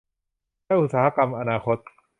และอุตสาหกรรมอนาคต